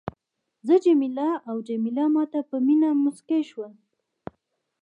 زه جميله او جميله ما ته په مینه مسکي شول.